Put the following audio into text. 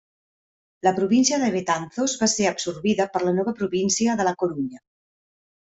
La província de Betanzos va ser absorbida per la nova província de la Corunya.